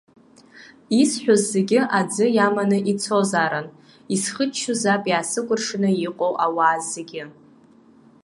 Исҳәоз зегьы аӡы иаманы ицозаарын, исхыччозаап иаасыкәыршаны иҟоу ауаа зегьы.